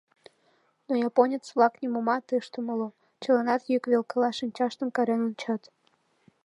Но японец-влак нимомат ышт умыло, чыланат йӱк велкыла шинчаштым карен ончат.